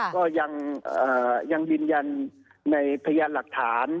ก็ยังยืนยันในพยานหลักฐาน